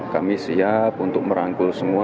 kami siap untuk merangkul semua